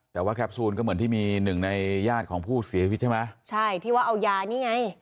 แต่ว่าแคปซูลก็เหมือนที่มีหนึ่งในญาติของผู้เสียชีวิตใช่ไหมใช่ที่ว่าเอายานี่ไง